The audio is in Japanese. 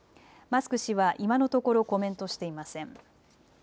マスク氏は今のところコメントしていません。